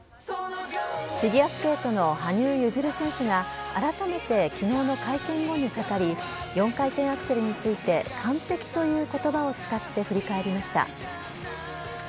フィギュアスケートの羽生結弦選手が、改めてきのうの会見後に語り、４回転アクセルについて完璧ということばを使って振り返りました。